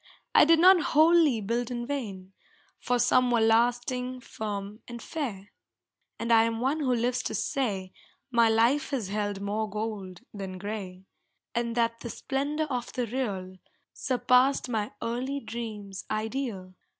I did not wholly build in vain, For some were lasting, firm and fair. And I am one who lives to say My life has held more gold than gray, And that the splendor of the real Surpassed my early dream's ideal.